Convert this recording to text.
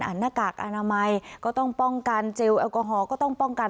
หน้ากากอนามัยก็ต้องป้องกันเจลแอลกอฮอลก็ต้องป้องกัน